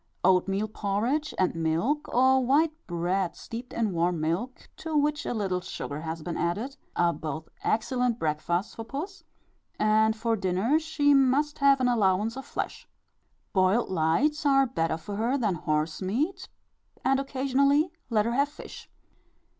Oatmeal porridge and milk, or white bread steeped in warm milk, to which a little sugar has been added, are both excellent breakfasts for puss; and for dinner she must have an allowance of flesh. Boiled lights are better for her than horse meat, and occasionally let her have fish.